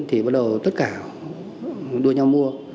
thì bắt đầu tất cả đua nhau mua